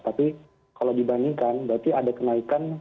tapi kalau dibandingkan berarti ada kenaikan